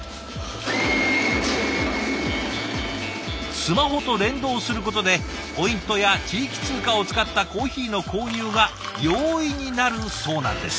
スマホと連動することでポイントや地域通貨を使ったコーヒーの購入が容易になるそうなんです。